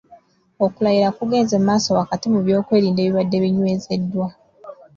Okulayira kugenze mu maaso wakati mu by’okwerinda ebibadde binywezeddwa.